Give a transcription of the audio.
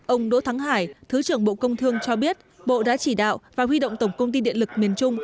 ông đỗ thắng hải thứ trưởng bộ công thương cho biết bộ đã chỉ đạo và huy động tổng công ty điện lực miền trung